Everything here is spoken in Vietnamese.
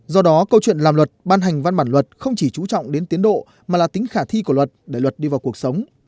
do đó câu chuyện làm luật ban hành văn bản luật không chỉ trú trọng đến tiến độ mà là tính khả thi của luật để luật đi vào cuộc sống